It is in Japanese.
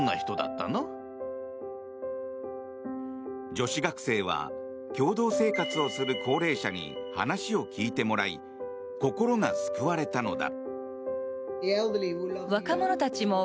女子学生は共同生活をする高齢者に話を聞いてもらい心が救われたのだ。